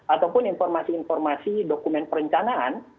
ataupun informasi informasi dokumen perencanaan